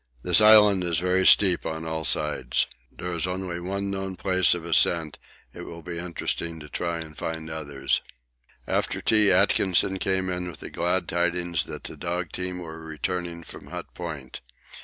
This Island is very steep on all sides. There is only one known place of ascent; it will be interesting to try and find others. After tea Atkinson came in with the glad tidings that the dog team were returning from Hut Point.